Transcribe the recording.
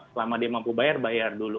selama dia mampu bayar bayar dulu